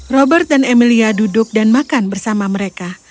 robert dan emilia duduk dan makan bersama mereka